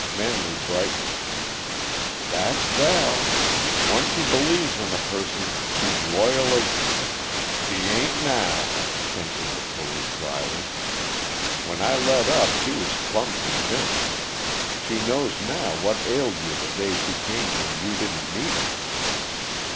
Manley brightened. "That's Val once she believes in a person she's loyal as " "She ain't now," Kent interposed dryly. "When I let up she was plumb convinced. She knows now what ailed you the day she came and you didn't meet her."